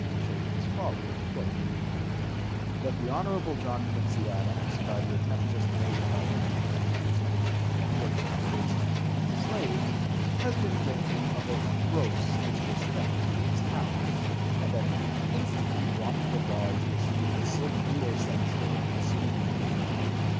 271) into shape as follows: "That the Hon. John Quincy Adams, by the attempt just made by him to introduce a petition purporting on its face to be from slaves, has been guilty of a gross disrespect to this House, and that he be instantly brought to the bar to receive the severe censure of the Speaker."